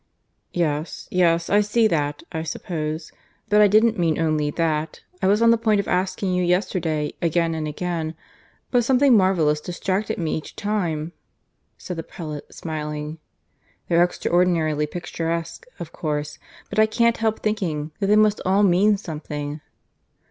"Yes, yes; I see that, I suppose. But I didn't mean only that. I was on the point of asking you yesterday, again and again, but something marvellous distracted me each time," said the prelate, smiling. "They're extraordinarily picturesque, of course; but I can't help thinking that they must all mean something."